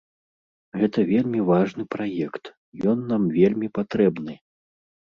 Гэта вельмі важны праект, ён нам вельмі патрэбны.